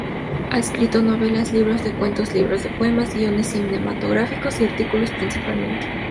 Ha escrito novelas, libros de cuentos, libros de poemas, guiones cinematográficos y artículos, principalmente.